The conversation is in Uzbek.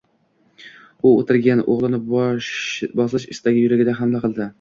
U o‘tirgan o‘g‘lini bosish istagi yuragiga hamla qildi.